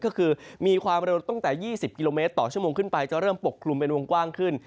ก็คือมีความเร็วตั้งแต่๒๐กิโลเมตรต่อชั่วโมงขึ้นไปจะเริ่มปกคลุมเป็นวงกว้างขึ้น